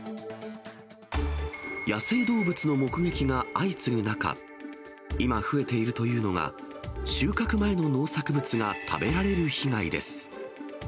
野生動物の目撃が相次ぐ中、今、増えているというのが、収穫前の農作物が食べられる被害です。